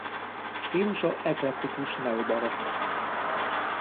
Stílusa eklektikus-neobarokk.